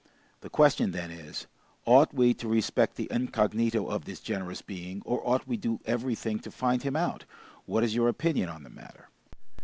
The question, then, is, ought we to respect the incognito of this generous being, or ought we to do everything to find him out? What is your opinion on the matter?"